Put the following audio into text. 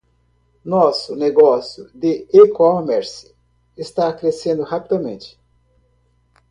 Nosso negócio de e-commerce está crescendo rapidamente.